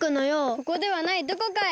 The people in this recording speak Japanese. ここではないどこかへ！